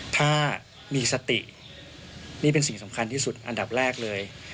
ถ้ามีสตินี่เป็นสิ่งสำคัญที่สุดอันดับแรกเลย